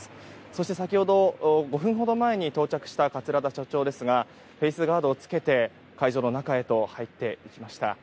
そして先ほど５分ほど前に到着した桂田社長ですがフェースガードを着けて会場の中へと入っていきました。